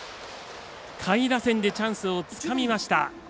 下位打線でチャンスをつかみました。